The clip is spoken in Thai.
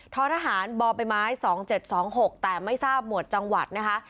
ท้อทหารบไปไม้๒๗๒๖แต่ไม่ทราบหมวดจังหวัดนะคะ